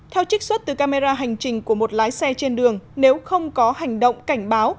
theo trích xuất từ camera hành trình của một lái xe trên đường nếu không có hành động cảnh báo